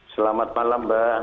selamat malam mbak